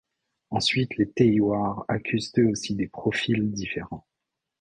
Ensuite, les tailloirs accusent eux aussi des profils différents.